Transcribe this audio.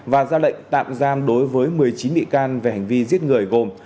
và ra lệnh tạm giam đối với một mươi chín bị can về hành vi giết người gồm